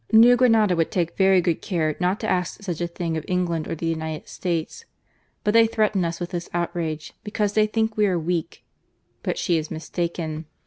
New Grenada would take very good care not to ask such a thing of England or the United States. But they threaten us with this outrage because they think we are weak. But she is mistaken.